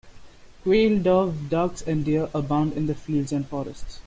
Quail, dove, ducks, and deer abound in the fields and forests.